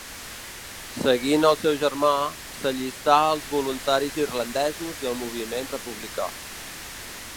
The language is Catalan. Seguint el seu germà, s'allistà als Voluntaris Irlandesos i al moviment republicà.